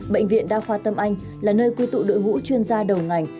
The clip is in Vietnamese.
bệnh viện đa khoa tâm anh là nơi quy tụ đội ngũ chuyên gia đầu ngành